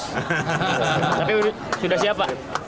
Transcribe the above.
tapi sudah siap pak